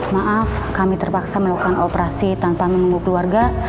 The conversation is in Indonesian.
maaf kami terpaksa melakukan operasi tanpa menunggu keluarga